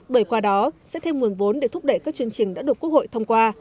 bởi qua đó sẽ thêm nguồn vốn để thúc đẩy các chương trình đã được quốc hội thông qua